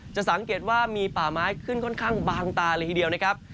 จะสังเกตว่ามีป่าไม้ขึ้นค่อนข้างบางตาเลยทีเดียวนะครับ